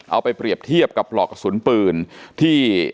เอาไปเปรียบเทียบกับปลอกกระสุนปืนที่